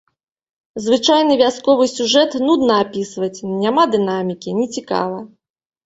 Звычайны вясковы сюжэт нудна апісваць, няма дынамікі, нецікава.